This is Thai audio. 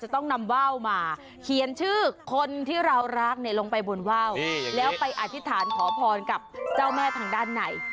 ต้องนำว่าวมาเขียนชื่อคนที่เรารักเนี่ยลงไปบนว่าวแล้วไปอธิษฐานขอพรกับเจ้าแม่ทางด้านใน